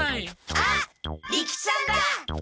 あっ利吉さんだ！